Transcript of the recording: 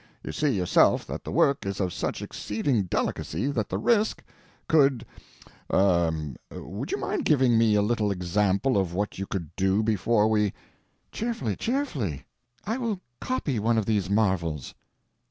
You see, yourself, that the work is of such exceeding delicacy that the risk—could—er—would you mind giving me a little example of what you can do before we—" "Cheerfully, cheerfully. I will copy one of these marvels."